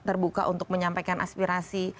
terbuka untuk menyampaikan aspirasi